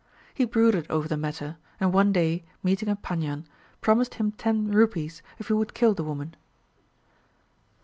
He brooded over the matter, and one day, meeting a Paniyan, promised him ten rupees if he would kill the woman.